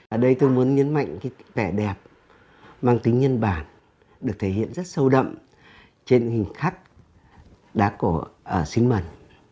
ở đây tôi muốn nhấn mạnh cái vẻ đẹp mang tính nhân bản được thể hiện rất sâu đậm trên hình khắc đá cổ ở xín mần